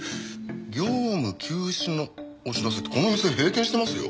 「業務休止のお知らせ」ってこの店閉店してますよ。